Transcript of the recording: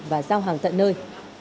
và giao hàng tận nơi